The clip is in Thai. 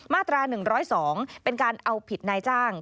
มาตรา๑๐๒เป็นการเอาผิดนายจ้าง